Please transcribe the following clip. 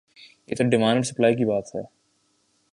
یہ تو ڈیمانڈ اور سپلائی کی بات ہے۔